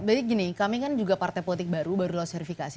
jadi gini kami kan juga partai politik baru baru lulus verifikasi